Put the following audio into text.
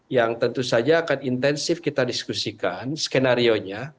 yang tentu saja akan intensif kita diskusikan skenario nya